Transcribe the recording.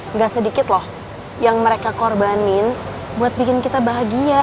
nggak sedikit loh yang mereka korbanin buat bikin kita bahagia